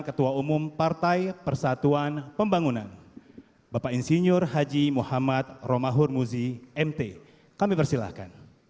kata mereka diriku selalu ditimpa